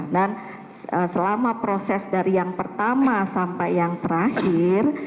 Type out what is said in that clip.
dan selama proses dari yang pertama sampai yang terakhir